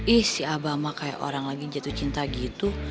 ih si abama kayak orang lagi jatuh cinta gitu